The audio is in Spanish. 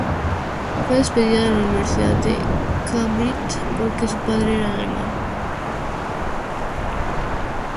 Fue despedida de la Universidad de Cambridge porque su padre era alemán.